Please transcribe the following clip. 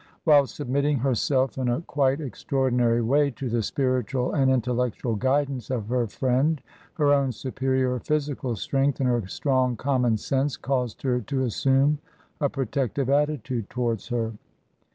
While submitting herself in a quite extraordinary way to the spiritual and intellectual guidance of her friend, her own superior physical strength and her strong common sense caused her to assume a protective attitude towards her.